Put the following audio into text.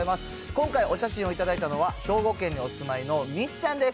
今回お写真を頂いたのは、兵庫県にお住まいのみっちゃんです。